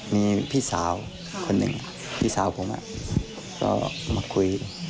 มีพี่สาวคนหนึ่งพี่สาวผมก็มาคุย